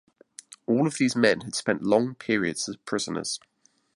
All of these men had spent long periods as prisoners.